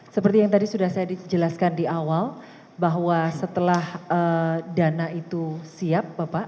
seperti yang tadi sudah saya jelaskan di awal bahwa setelah dana itu siap